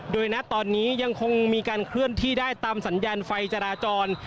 โดยณตอนนี้ยังคงมีการเคลื่อนที่ได้ตามสัญญาณไฟจราจร